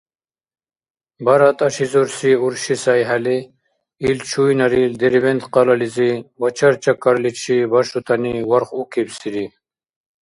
Бара тӀашизурси урши сайхӀели, ил чуйнарил Дербент-къалализи вачар-чакарличи башутани варх укибсири.